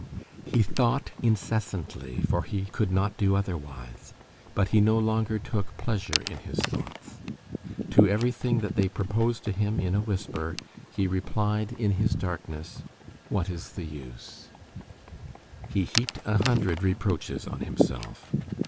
He thought incessantly, for he could not do otherwise; but he no longer took pleasure in his thoughts. To everything that they proposed to him in a whisper, he replied in his darkness: "What is the use?" He heaped a hundred reproaches on himself.